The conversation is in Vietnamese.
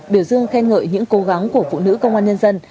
biểu dương khen ngợi những cố gắng của phụ nữ công an nhân dân